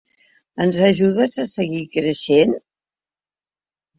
Ens ajudes a seguir creixent?